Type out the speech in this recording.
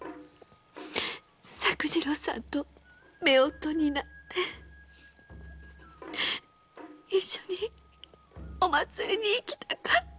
作次郎さんと夫婦になって一緒にお祭りに行きたかった。